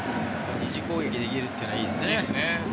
２次攻撃できるのはいいですね。